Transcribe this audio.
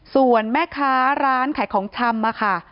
ส่วนแม่ค้าร้านขายของชำอะค่ะ